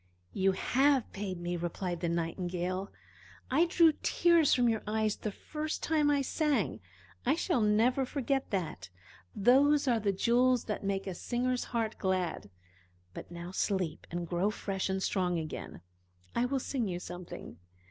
"You have paid me!" replied the Nightingale. "I drew tears from your eyes, the first time I sang I shall never forget that. Those are the jewels that make a singer's heart glad. But now sleep and grow fresh and strong again. I will sing you something."